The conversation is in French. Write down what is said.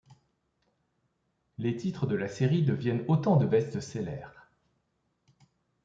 Les titres de la série deviennent autant de best-sellers.